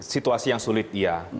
situasi yang sulit ya